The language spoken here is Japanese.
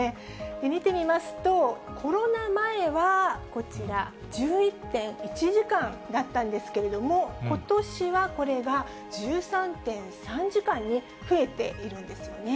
見てみますと、コロナ前はこちら、１１．１時間だったんですけれども、ことしはこれが１３．３時間に増えているんですよね。